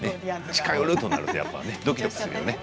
近寄るとなるとドキドキしますよね。